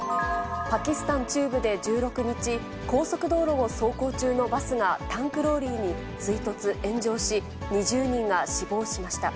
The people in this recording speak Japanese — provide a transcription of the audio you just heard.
パキスタン中部で１６日、高速道路を走行中のバスがタンクローリーに追突、炎上し、２０人が死亡しました。